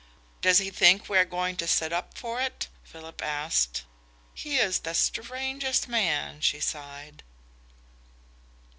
'" "Does he think we are going to sit up for it?" Philip asked. "He is the strangest man," she sighed....